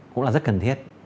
cũng là rất cần thiết